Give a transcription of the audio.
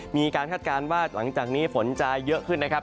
คาดการณ์ว่าหลังจากนี้ฝนจะเยอะขึ้นนะครับ